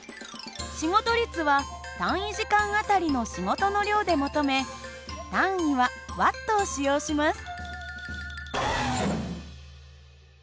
仕事率は単位時間あたりの仕事の量で求め単位はＷを使用します。